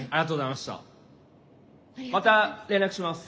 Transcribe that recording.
また連絡します。